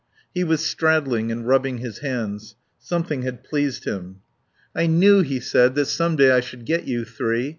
He was straddling and rubbing his hands. Something had pleased him. "I knew," he said, "that some day I should get you three.